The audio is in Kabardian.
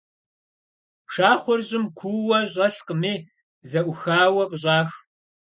Пшахъуэр щӀым куууэ щӀэлъкъыми зэӀухауэ къыщӀах.